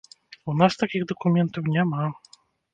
У нас такіх дакументаў няма.